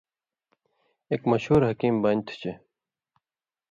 ایک مشہُور حکیم بانیۡ تُھو چے